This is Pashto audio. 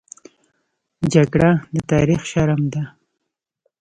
جګړه د تاریخ شرم ده